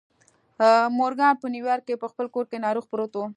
مورګان په نيويارک کې په خپل کور کې ناروغ پروت و.